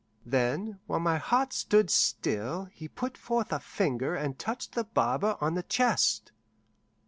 Then, while my heart stood still, he put forth a finger and touched the barber on the chest.